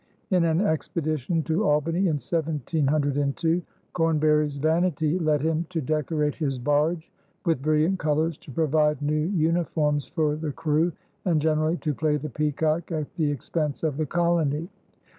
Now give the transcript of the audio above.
In an expedition to Albany in 1702, Cornbury's vanity led him to decorate his barge with brilliant colors, to provide new uniforms for the crew, and generally to play the peacock at the expense of the colony.